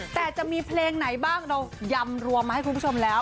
แต่จะมีเพลงไหนบ้างเรายำรวมมาให้คุณผู้ชมแล้ว